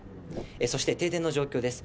そして停電の状況です。